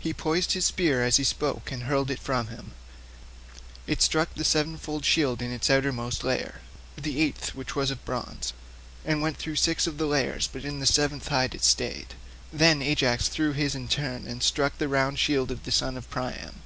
He poised his spear as he spoke, and hurled it from him. It struck the sevenfold shield in its outermost layer—the eighth, which was of bronze—and went through six of the layers but in the seventh hide it stayed. Then Ajax threw in his turn, and struck the round shield of the son of Priam.